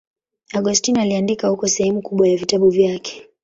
Agostino aliandika huko sehemu kubwa ya vitabu vyake.